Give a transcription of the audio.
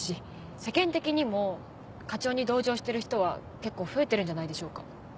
世間的にも課長に同情してる人は結構増えてるんじゃないでしょうか。